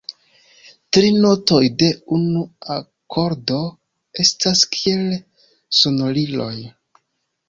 Tri notoj de unu akordo estas kiel sonoriloj.